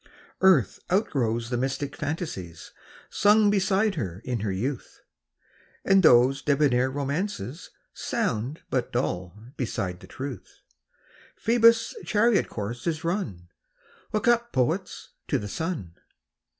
TRUTH. ARTH outgrows the mythic fancies Sung beside her in her youth ; And those debonair romances Sound but dull beside the truth. Phoebus' chariot course is run ! Look up, poets, to the sun